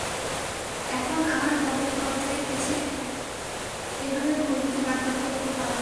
এখন আমার গবেষণার শেষ পর্যায়ে এসে এভাবে ভর্তি বাতিল করতে পারে না।